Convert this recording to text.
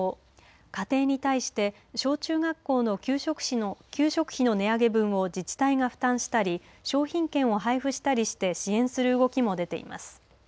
家庭に対して小中学校の給食費の値上げ分を自治体が負担したり商品券を配布したりして支援する動きも出ています。